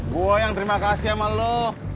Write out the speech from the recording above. gue yang terima kasih sama lo